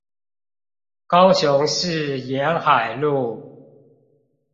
高雄市沿海路